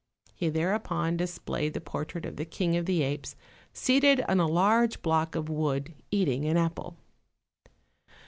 He thereupon displayed the portrait of the King of the Apes seated on a large block of wood eating an apple.